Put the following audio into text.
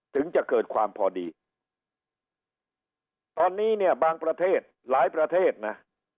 ถึงจะเกิดความพอดีตอนนี้เนี่ยบางประเทศหลายประเทศนะ